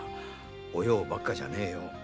お葉ばっかじゃねえよ。